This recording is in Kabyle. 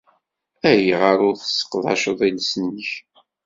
Ayɣer ur tettseqdaceḍ iles-nnek?